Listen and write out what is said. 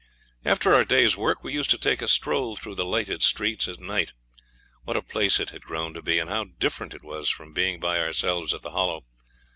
After our day's work we used to take a stroll through the lighted streets at night. What a place it had grown to be, and how different it was from being by ourselves at the Hollow.